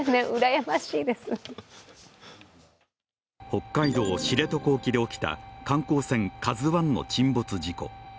北海道知床沖で起きた観光船「ＫＡＺＵⅠ」の沈没事故。